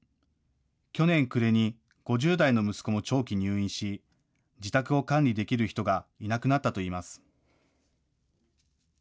去年暮れに５０代の息子も長期入院し自宅を管理できる人がいなくなったといいます。